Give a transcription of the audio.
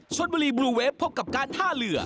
ชนบุรีบลูเวฟพบกับการท่าเรือ